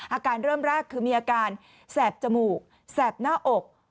อาการเริ่มแรกคือมีอาการแสบจมูกแสบหน้าอก